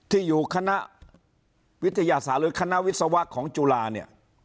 ที่อยู่คณะวิทยาศาสตร์หรือคณะวิศวะของจุฬาเนี่ย